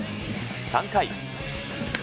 ３回。